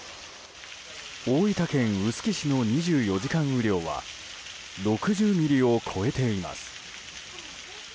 大分県臼杵市の２４時間雨量は６０ミリを超えています。